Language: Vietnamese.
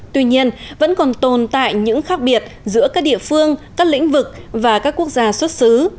tuy nhiên vẫn còn tồn tại những khác biệt giữa các địa phương các lĩnh vực và các quốc gia xuất xứ